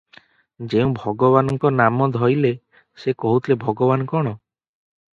ଯେଉଁ ଭଗବାନଙ୍କ ନାମ ଧଇଲେ ସେ କହୁଥିଲେ ଭଗବାନ୍ କଣ?